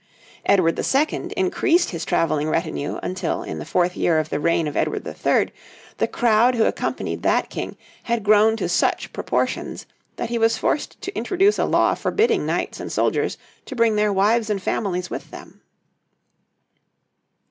Edward II. increased his travelling retinue until, in the fourth year of the reign of Edward III., the crowd who accompanied that King had grown to such proportions that he was forced to introduce a law forbidding knights and soldiers to bring their wives and families with them.